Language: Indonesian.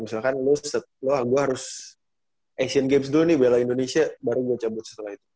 misalkan lo gue harus asian games dulu nih bela indonesia baru gue cabut setelah itu